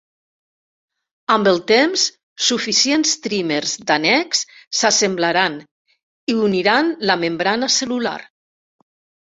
Amb el temps, suficients trímers d'annex s'assemblaran i uniran la membrana cel·lular.